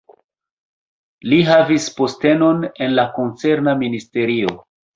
Li havis postenon en la koncerna ministerio.